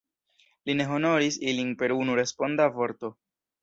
Li ne honoris ilin per unu responda vorto.